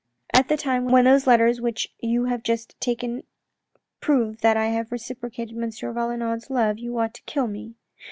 At the time when those letters which you have just taken prove that I have reciprocated M. Valenod's love, you ought to kill me.